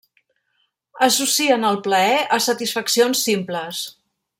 Associen el plaer a satisfaccions simples.